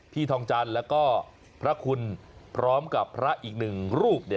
ทองจันทร์แล้วก็พระคุณพร้อมกับพระอีกหนึ่งรูป